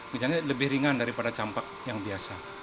gejalanya lebih ringan daripada campak yang biasa